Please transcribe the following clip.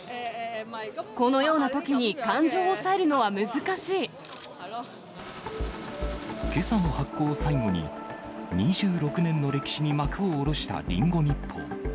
このようなときに、感情を抑けさの発行を最後に、２６年の歴史に幕を下ろしたリンゴ日報。